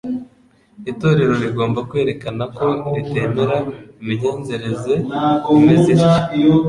Itorero rigomba kwerekana ko ritemera imigenzereze imeze ityo;